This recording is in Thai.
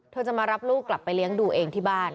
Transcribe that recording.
จะมารับลูกกลับไปเลี้ยงดูเองที่บ้าน